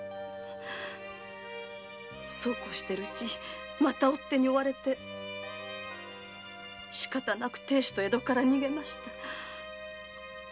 そうこうしているうちにまた追っ手に追われてしかたなく亭主と江戸から逃げました。